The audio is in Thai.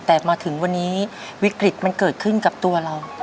แต่มาถึงวันนี้วิกฤตมันเกิดขึ้นกับตัวเรา